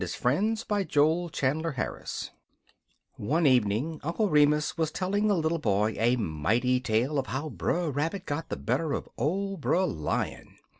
"Heyo, House" JOEL CHANDLER HARRIS One evening Uncle Remus was telling the little boy a mighty tale of how Brer Rabbit got the better of ole Brer Lion.